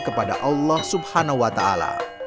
kepada allah subhanahu wa ta ala